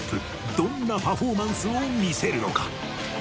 どんなパフォーマンスを見せるのか？